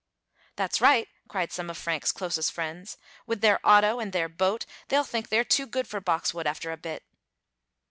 "That's right!" cried some of Frank's closest friends. "With their auto and their boat they'll think they're too good for Boxwood after a bit."